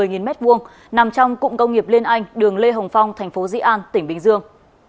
nằm trong cụng công nghiệp liên anh đường lê hồng phong tp di an tỉnh bình dương